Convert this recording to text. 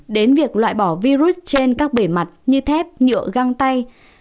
đến việc loại bỏ virus trên các bề mặt như thép nhựa găng tay